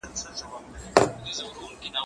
زه کولای سم کالي وپرېولم؟